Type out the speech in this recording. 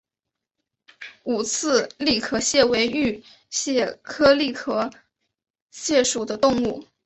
五刺栗壳蟹为玉蟹科栗壳蟹属的动物。